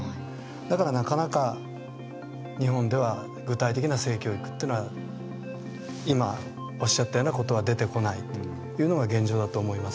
だから、なかなか日本では具体的な性教育っていうのは今、おっしゃったようなことは出てこないというのが現状だと思います。